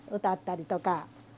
歌ったりとか。